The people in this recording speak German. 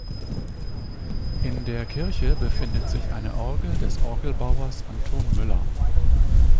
In der Kirche befindet sich eine Orgel des Orgelbauers Anton Müller.